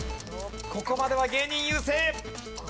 ここまでは芸人優勢！